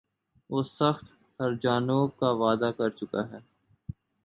وہ سخت ہرجانوں کا وعدہ کر چُکا ہے